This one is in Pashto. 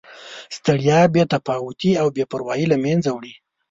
ستړیا، بې تفاوتي او بې پروایي له مینځه وړي.